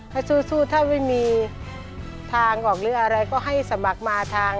ถ้าสู้ถ้าไม่มีทางออกหรืออะไรก็ให้สมัครมาทาง